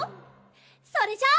それじゃあ。